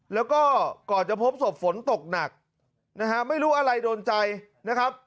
แล้วก็ก่อนจะพบศพฝนตกหนักนะฮะไม่รู้อะไรโดนใจนะครับ